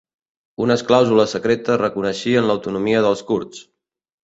Unes clàusules secretes reconeixien l'autonomia dels kurds.